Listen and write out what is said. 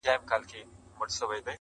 یوه خولگۍ خو مسته، راته جناب راکه.